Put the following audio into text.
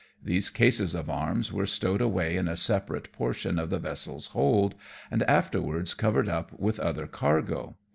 These cases of arms were stowed away in a separate portion of the vessel's hold, and afterwards covered up with other cargo.